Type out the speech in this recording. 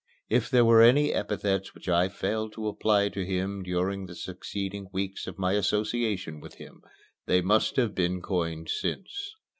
If there were any epithets which I failed to apply to him during the succeeding weeks of my association with him, they must have been coined since.